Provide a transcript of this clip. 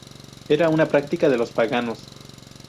Era una práctica de los paganos.